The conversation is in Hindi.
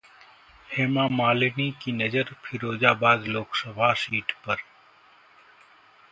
हेमामालिनी की नजर फिरोजाबाद लोकसभा सीट पर